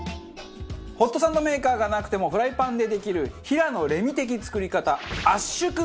ホットサンドメーカーがなくてもフライパンでできる平野レミ的作り方圧縮サバサンド。